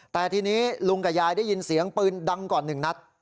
แต่ทีนี้ลุงกับยายได้ยินเสียงปืนดังก่อน๑นัด